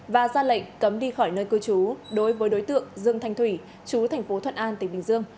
và ra lệnh cấm đi khỏi nơi cư trú đối với đối tượng dương thanh thủy chú thành phố thuận an tỉnh bình dương